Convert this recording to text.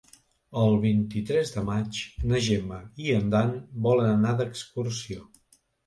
El vint-i-tres de maig na Gemma i en Dan volen anar d'excursió.